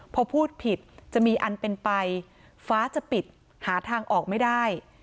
พอพูดผิดจะมีอันเป็นไปฟ้าจะปิดหาทางออกไม่ได้